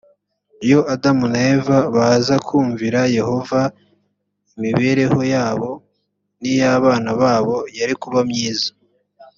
iyo adamu na eva baza kumvira yehova imibereho yabo n’ iy abana babo yari kuba myiza